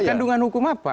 kandungan hukum apa